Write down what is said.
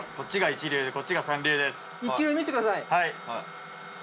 一流を見せてください。